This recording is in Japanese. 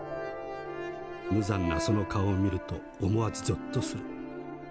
無残なその顔を見ると思わずゾッとする。